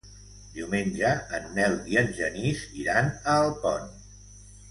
Diumenge en Nel i en Genís iran a Alpont.